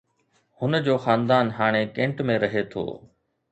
هن جو خاندان هاڻي ڪينٽ ۾ رهي ٿو